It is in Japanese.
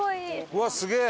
うわっすげえ！